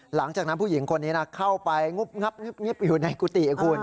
หลังจากนั้นผู้หญิงคนนี้นะเข้าไปงุบงับอยู่ในกุฏิคุณ